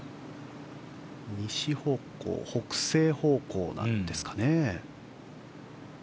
西方向北西方向なんですかね。